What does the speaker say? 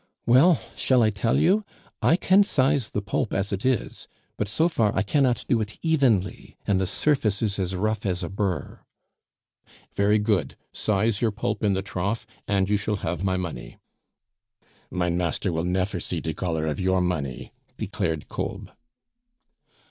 "Well, shall I tell you? I can size the pulp as it is, but so far I cannot do it evenly, and the surface is as rough as a burr!" "Very good, size your pulp in the trough, and you shall have my money." "Mein master will nefer see de golor of your money," declared Kolb.